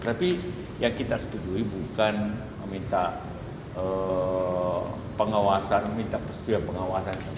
tapi yang kita setujui bukan meminta pengawasan meminta persetujuan pengawasan